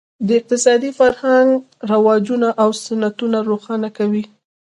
د اقتصادي فرهنګ رواجونه او سنتونه روښانه کوي.